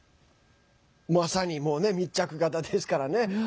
まさに、もう密着型ですからね。